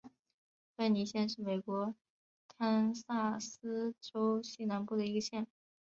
芬尼县是美国堪萨斯州西南部的一个县。